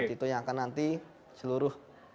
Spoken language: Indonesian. itu yang akan nanti seluruh